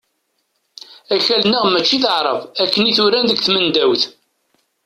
Akal-nneɣ mačči d aɛrab akken i t-uran deg tmendawt.